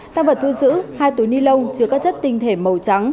tang vật thuê giữ hai túi ni lông chứa các chất tinh thể màu trắng